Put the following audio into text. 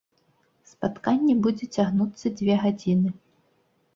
Спатканне будзе цягнуцца дзве гадзіны.